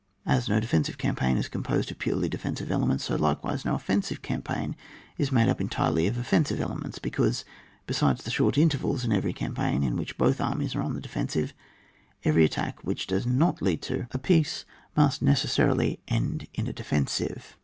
As no defensive campaign is composed of purely defensive elements, so likewise no offensive campaign is made up entirely of offensive elements; because, besides the short intervals in every campaign, in which both armies are on the defensive, every attack which does not lead to a 40 ON WAR. [book vn. peace, must necesBarilj end in a de fensive.